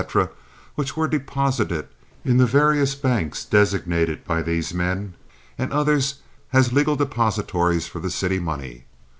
—which were deposited in the various banks designated by these men and others as legal depositories for city money.